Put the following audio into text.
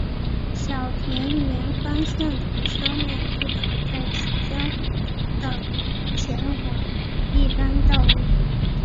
小田原方向的车辆不可在此交流道前往一般道路。